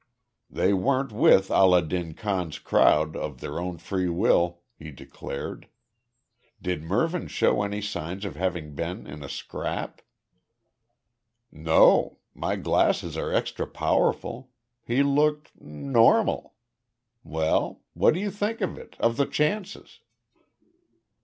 "They weren't with Allah din Khan's crowd of their own free will," he declared. "Did Mervyn show any signs of having been in a scrap?" "No. My glasses are extra powerful. He looked normal. Well? What do you think of it of the chances?"